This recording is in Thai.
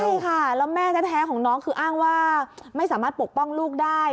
ใช่ค่ะแล้วแม่แท้ของน้องคืออ้างว่าไม่สามารถปกป้องลูกได้